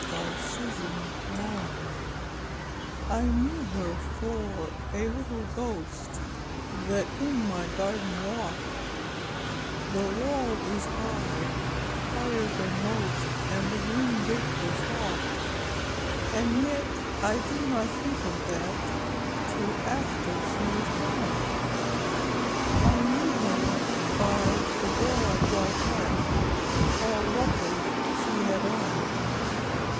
The Little Ghost I KNEW her for a little ghost That in my garden walked; The wall is high higher than most And the green gate was locked. And yet I did not think of that Till after she was gone I knew her by the broad white hat, All ruffled, she had on.